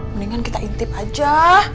mendingan kita intip aja